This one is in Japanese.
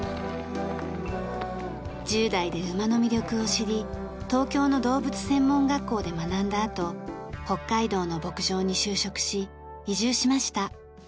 １０代で馬の魅力を知り東京の動物専門学校で学んだあと北海道の牧場に就職し移住しました。